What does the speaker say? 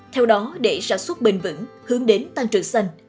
theo đó để sản xuất bền vững hướng đến tăng trưởng xanh